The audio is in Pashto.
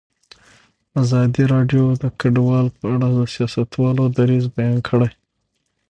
ازادي راډیو د کډوال په اړه د سیاستوالو دریځ بیان کړی.